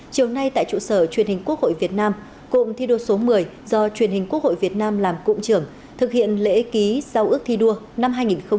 chiều nay tại trụ sở truyền hình quốc hội việt nam cụm thi đua số một mươi do truyền hình quốc hội việt nam làm cụm trưởng thực hiện lễ ký giao ước thi đua năm hai nghìn hai mươi